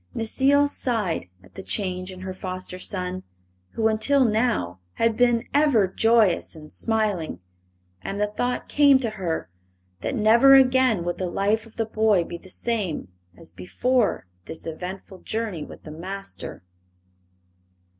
Necile sighed at the change in her foster son, who until now had been ever joyous and smiling, and the thought came to her that never again would the life of the boy be the same as before this eventful journey with the Master.